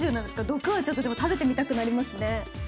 毒はちょっとでも食べてみたくなりますね。